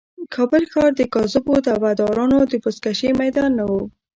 کابل ښار د کاذبو دعوه دارانو د بزکشې میدان نه و.